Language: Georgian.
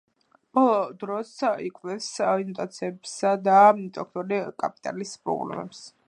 ბოლო დროს იკვლევს ინოვაციებისა და ინტელექტუალური კაპიტალის პრობლემებს.